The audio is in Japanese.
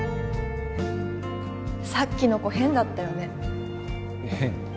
さっきの子変だったよね変？